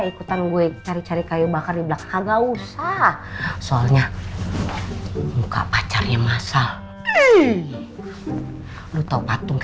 ikutan gue cari cari kayu bakar di belakang usaha soalnya buka pacarnya masal lu tahu patung